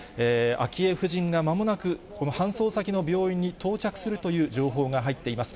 昭恵夫人がまもなく、この搬送先の病院に到着するという情報が入っています。